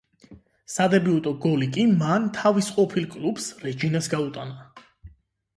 სადებიუტო გოლი კი მან თავის ყოფილ კლუბს რეჯინას გაუტანა.